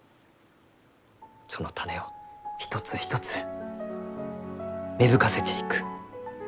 その種を一つ一つ芽吹かせていく。